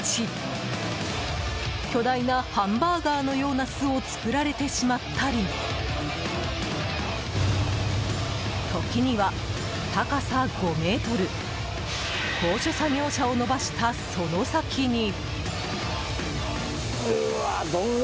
巨大なハンバーガーのような巣を作られてしまったり時には、高さ５ｍ高所作業車を伸ばした、その先に。